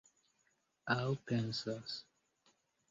Aŭ pensas.